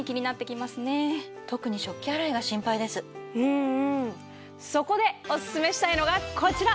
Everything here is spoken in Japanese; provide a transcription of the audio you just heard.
うんうんそこでおススメしたいのがこちら！